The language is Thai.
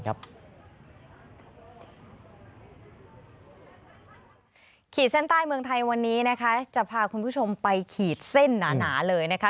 ขีดเส้นใต้เมืองไทยวันนี้นะคะจะพาคุณผู้ชมไปขีดเส้นหนาเลยนะคะ